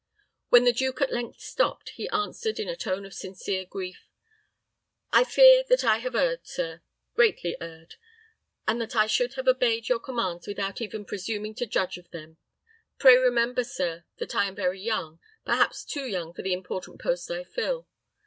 When the duke at length stopped, he answered, in a tone of sincere grief, "I feel that I have erred, sir, greatly erred, and that I should have obeyed your commands without even presuming to judge of them. Pray remember, however, that I am very young, perhaps too young for the important post I fill.